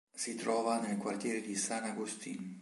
Si trova nel quartiere di "San Agustín".